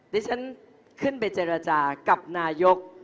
ดิฉันขึ้นไปเจรจากับนายก